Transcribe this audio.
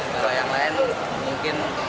kalau yang lain mungkin